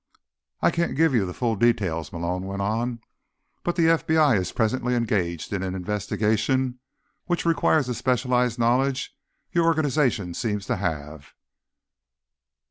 "I can't give you the full details," Malone went on, "but the FBI is presently engaged in an investigation which requires the specialized knowledge your organization seems to have."